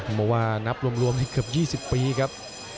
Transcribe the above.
เพราะว่านับรวมเกือบ๒๐ปีครับ